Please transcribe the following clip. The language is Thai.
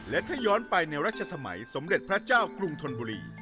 และถ้าย้อนไปในรัชสมัยสมเด็จพระเจ้ากรุงธนบุรี